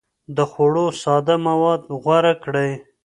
د خوړو ساده مواد غوره کړئ.